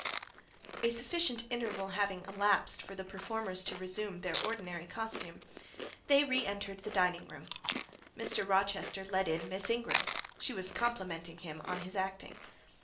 A sufficient interval having elapsed for the performers to resume their ordinary costume, they re entered the dining room. Mr. Rochester led in Miss Ingram; she was complimenting him on his acting.